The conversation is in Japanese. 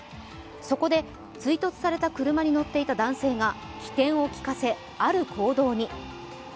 そこで追突された車に乗っていた男性が機転を利かせ、ある行動に。